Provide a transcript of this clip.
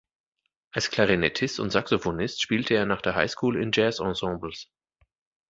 Als Klarinettist und Saxophonist spielte er nach der High School in Jazz-Ensembles.